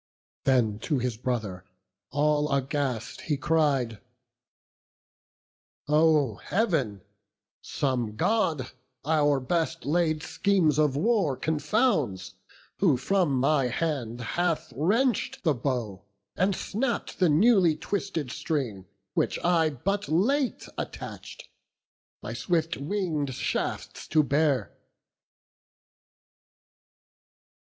Then to his brother, all aghast, he cried: "O Heav'n, some God our best laid schemes of war Confounds, who from my hand hath, wrench'd the bow, And snapp'd the newly twisted string, which I But late attach'd, my swift wing'd shafts to bear."